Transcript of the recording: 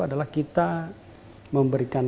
adalah kita memberikan